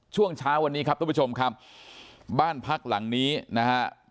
ช่วงเช้าวันนี้ครับทุกผู้ชมครับบ้านพักหลังนี้นะฮะ